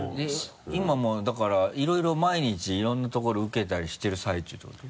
今もうだからいろいろ毎日いろんなところ受けたりしてる最中ってこと？